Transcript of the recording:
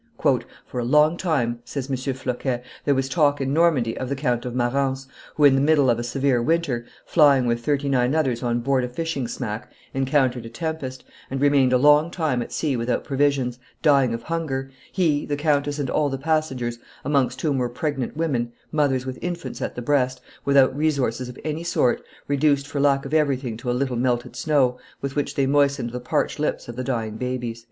"For a long time," says M. Floquet, "there was talk in Normandy of the Count of Marance, who, in the middle of a severe winter, flying with thirty nine others on board a fishing smack, encountered a tempest, and remained a long time at sea without provisions, dying of hunger, he, the countess, and all the passengers, amongst whom were pregnant women, mothers with infants at the breast, without resources of any sort, reduced for lack of everything to a little melted snow, with which they moistened the parched lips of the dying babes."